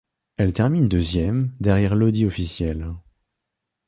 Elle termine deuxième, derrière l'Audi officielle.